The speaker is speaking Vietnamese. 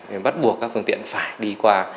vì vậy bắt buộc các phương tiện phải đi qua